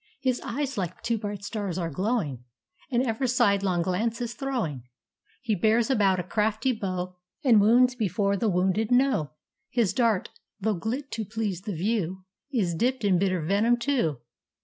His eyes like two bright stars are glowing, And ever sidelong glances throwing. He bears about a crafty bow, And wounds before the wounded know; His dart, though gilt to please the view, Is dipped in bitter venom too.